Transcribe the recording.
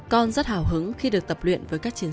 con rất hào hứng khi được tập luyện với các chiến sĩ